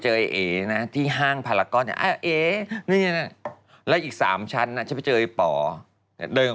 ฉันขาบมากตั้งแต่สมัยก่อนป่อใช่ไหม